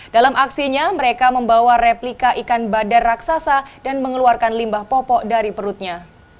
dalam aksinya mereka membawa replika ikan badar raksasa dan mengeluarkan limbah popok dari perutnya